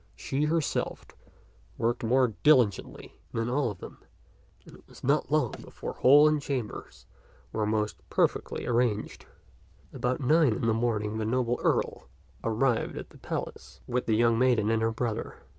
She herself worked more diligently than all of them, and it was 156 t^t Cfetr0 tatt not long before hall and chambers were most perfectly arranged. About nine in the morning the noble Earl arrived at the palace with the young maiden and her brother.